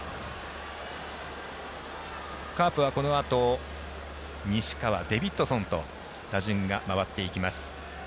カープは、このあと西川、デビッドソンと打順が回っていきます。